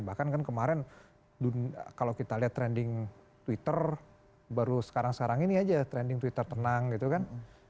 bahkan kan kemarin kalau kita lihat trending twitter baru sekarang sekarang ini aja trending twitter tenang gitu kan